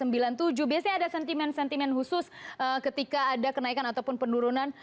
biasanya ada sentimen sentimen khusus ketika ada kenaikan ataupun penurunan